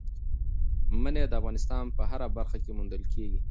منی د افغانستان په هره برخه کې موندل کېږي.